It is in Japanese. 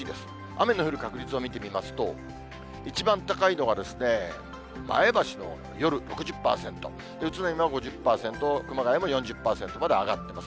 雨の降る確率を見てみますと、一番高いのは前橋の夜６０％、宇都宮は５０％、熊谷も４０％まで上がっています。